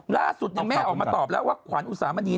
ล่าสุดแม่ออกมาตอบแล้วว่าขวัญอุสามณี